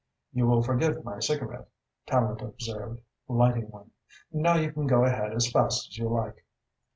"You will forgive my cigarette," Tallente observed, lighting one. "Now you can go ahead as fast as you like."